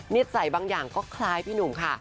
ใส่บางอย่างก็คล้ายพี่หนุ่มค่ะ